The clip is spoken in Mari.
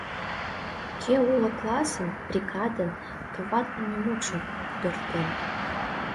Кӧ уло классын, бригадын товатлыме мутшым пудыртен?!